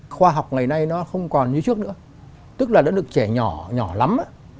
khoa học ngày nay nó không còn như trước nữa tức là đã được trẻ nhỏ nhỏ lắm